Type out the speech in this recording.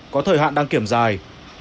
có thời hạn đăng kiểm dài